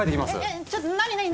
ちょっと何何何何？